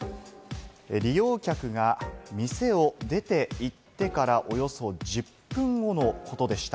利用客が店を出て行ってから、およそ１０分後のことでした。